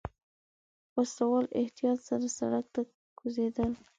وسله والو احتياط سره سړک ته کوزېدل.